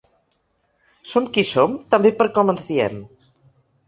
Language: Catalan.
Som qui som també per com ens diem.